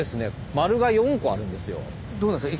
丸が４個あるんですよ。